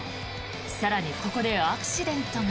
更に、ここでアクシデントが。